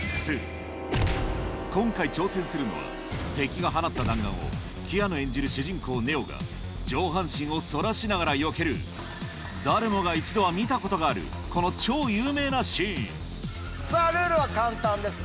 今回挑戦するのは敵が放った弾丸をキアヌ演じる主人公ネオが上半身を反らしながら避ける誰もが一度は見たことがあるルールは簡単です。